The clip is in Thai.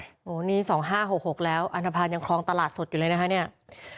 วันนี้๕๖๖แล้วอันทภัณฑ์ยังคลองตลาดสดอยู่เลยนะครับ